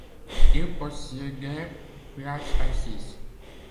Il possédait places assises.